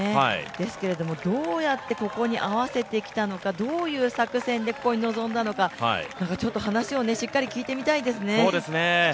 ですけども、どうやってここに合わせてきたのか、どういう作戦でここに臨んだのか、話をしっかり聞いてみたいですね。